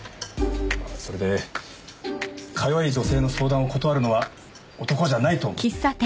まあそれでか弱い女性の相談を断るのは男じゃないと思って。